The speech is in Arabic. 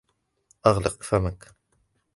أغلق فمك!